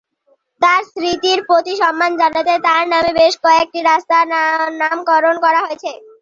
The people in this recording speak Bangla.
তার স্মৃতির প্রতি সম্মান জানাতে তার নামে বেশ কয়েকটি রাস্তার নামকরণ করা হয়েছে।